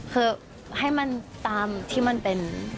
คือให้มันตามที่มันเป็น